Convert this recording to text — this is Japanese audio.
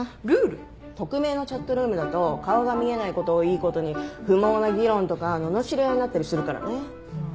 匿名のチャットルームだと顔が見えないことをいいことに不毛な議論とかののしり合いになったりするからね。